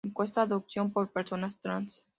Encuesta adopción por personas trans.